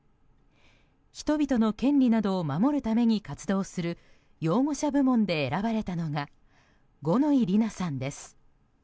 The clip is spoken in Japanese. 人々の権利などを守るために活動する擁護者部門で選ばれたのが五ノ井里奈さんです。